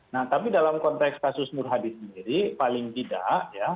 nah tapi dalam konteks kasus nur hadi sendiri paling tidak ya